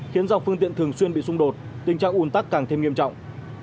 do lưu lượng phương tiện thường xuyên bị xung đột tình trạng ủn tắc càng thêm nghiêm trọng